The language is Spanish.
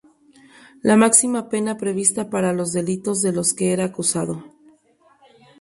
La máxima pena prevista para los delitos de los que era acusado.